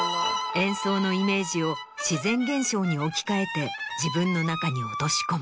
演奏のイメージを自然現象に置き換えて自分の中に落とし込む。